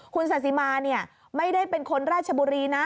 คุณสาธิมาไม่ได้เป็นคนราชบุรีนะ